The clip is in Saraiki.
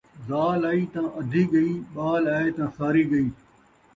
ذال آئی تاں ادھی ڳئی ، ٻال آئے تاں ساری ڳئی